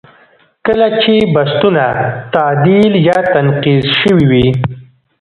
کله چې بستونه تعدیل یا تنقیض شوي وي.